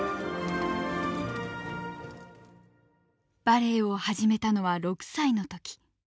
バレエを始めたのは６歳のとき。